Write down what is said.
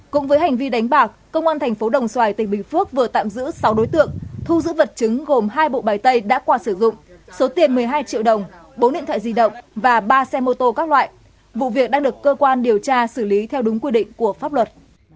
cũng với hành vi đánh bạc công an thành phố đồng xoài tỉnh bình phước vừa tạm giữ sáu đối tượng thu giữ vật chứng gồm hai bộ bài tay đã qua sử dụng số tiền một mươi hai triệu đồng bốn điện thoại di động và ba xe mô tô các loại vụ việc đang được cơ quan điều tra xử lý theo đúng quy định của pháp luật